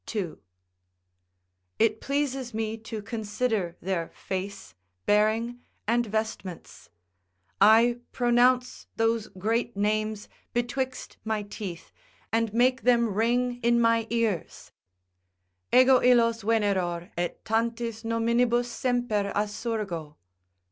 ] It pleases me to consider their face, bearing, and vestments: I pronounce those great names betwixt my teeth, and make them ring in my ears: "Ego illos veneror, et tantis nominibus semper assurgo."